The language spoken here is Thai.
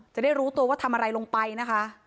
จะได้รู้ตัวว่าทำอะไรลงไปนะคะ